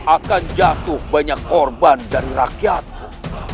akan jatuh banyak korban dari rakyatku